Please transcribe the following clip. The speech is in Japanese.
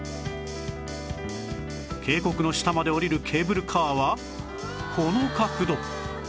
渓谷の下まで下りるケーブルカーはこの角度